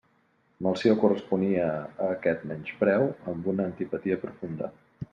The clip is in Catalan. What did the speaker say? Melcior corresponia a aquest menyspreu amb una antipatia profunda.